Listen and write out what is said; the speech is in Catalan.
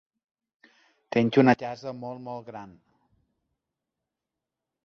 Tinc una casa molt molt gran.